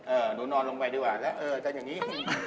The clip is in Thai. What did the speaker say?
หนูนอนลงไปดีกว่าแล้วเออกันอย่างนี้